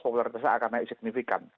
popularitasnya akan naik signifikan